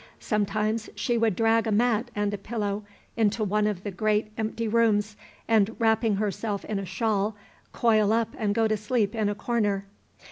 Sometimes she would drag a mat and a pillow into one of the great empty rooms, and, wrapping herself in a shawl, coil up and go to sleep in a corner.